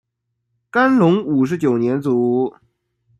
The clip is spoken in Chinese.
干隆五十九年卒。